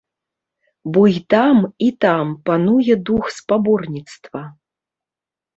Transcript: Бо і там, і там пануе дух спаборніцтва.